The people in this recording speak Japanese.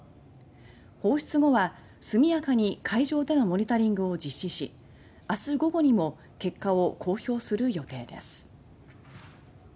放出後は速やかに海上でのモニタリングを実施し明日、午後にも結果を公表する予定です。